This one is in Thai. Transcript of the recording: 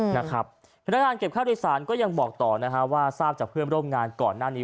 พนักงานเก็บค่าโดยสารก็ยังบอกต่อนะฮะว่าทราบจากเพื่อนร่วมงานก่อนหน้านี้